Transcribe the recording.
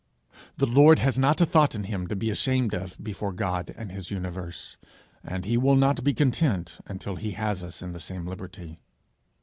The Lord has not a thought in him to be ashamed of before God and his universe, and he will not be content until he has us in the same liberty.